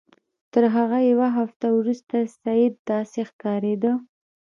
تر هغه یوه هفته وروسته سید داسې ښکارېده.